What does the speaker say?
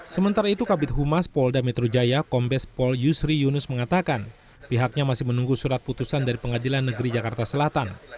sementara itu kabit humas polda metro jaya kombes pol yusri yunus mengatakan pihaknya masih menunggu surat putusan dari pengadilan negeri jakarta selatan